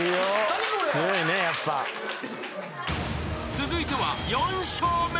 ［続いては４笑目。